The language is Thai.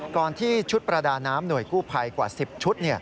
ที่ชุดประดาน้ำหน่วยกู้ภัยกว่า๑๐ชุด